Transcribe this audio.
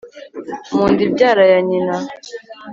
mu nda ibyara ya nyina